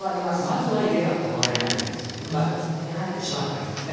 まずは家が壊れないようにすることが一番大事ですね。